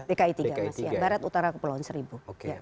dapil tiga ya barat utara kepulauan seribu